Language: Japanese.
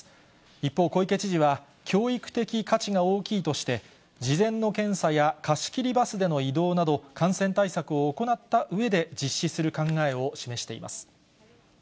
一方、小池知事は教育的価値が大きいとして、事前の検査や貸し切りバスでの移動など、感染対策を行ったうえで実施する考えを示しています。